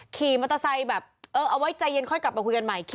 ขี่มัตตาไซ่แบบเออเอาไว้ใจเย็นค่อยกลับมาคุยกันใหม่ครับ